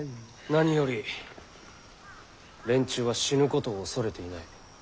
何より連中は死ぬことを恐れていない。